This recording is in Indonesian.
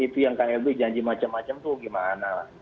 itu yang klb janji macam macam tuh gimana lah